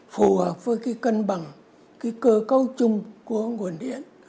phù hợp với cái cân bằng cái cơ cấu chung của nguồn điện